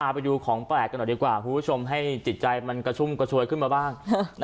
ไปดูของแปลกกันหน่อยดีกว่าคุณผู้ชมให้จิตใจมันกระชุ่มกระชวยขึ้นมาบ้าง